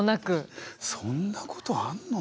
そんなことあるの？